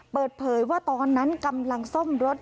เปิดเผยว่าตอนนั้นกำลังซ่อมรถ